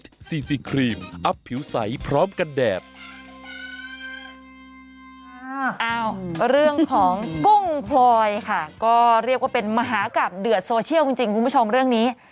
อ้าวเรื่องของกุ้งพลอยค่ะก็เรียกว่าเป็นมหากราบเดือดโซเชียลจริงคุณผู้ชมเรื่องนี้